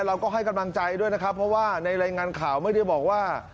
เราก็ให้กำลังใจด้วยนะครับเพราะว่าในรายงานข่าวไม่ได้บอกว่า